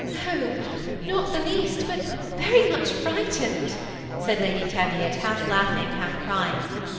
" No, not the least, but very much frightened," said Lady Teviot, half laughing, half crying.